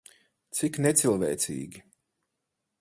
Cik necilvēcīgi.